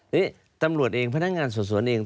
นี่ตำรวจเองพนักงานสอบสวนเอง